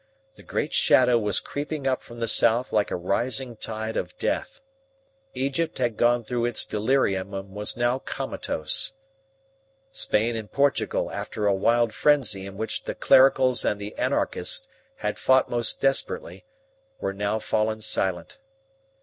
The great shadow was creeping up from the south like a rising tide of death. Egypt had gone through its delirium and was now comatose. Spain and Portugal, after a wild frenzy in which the Clericals and the Anarchists had fought most desperately, were now fallen silent.